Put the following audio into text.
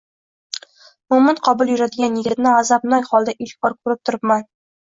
Mo`min-qobil yuradigan yigitni g`azabnok holda ilk bor ko`rib turibman